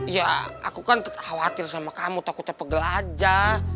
ya aku kan khawatir sama kamu takutnya pegel aja